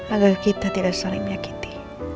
agar kita tidak saling menyakiti